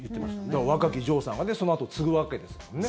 だから、若き城さんがそのあとを継ぐわけですもんね。